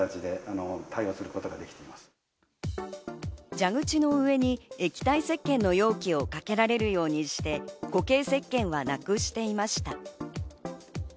蛇口の上に液体石けんの容器をかけられるようにして固形石けんはなくしていました。